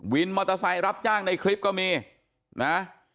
วินมอเตอร์ไซค์รับจ้างในคลิปก็มีนะ